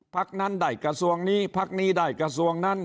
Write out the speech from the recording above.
พักนั้นได้กระทรวงนี้พักนี้ได้กระทรวงนั้น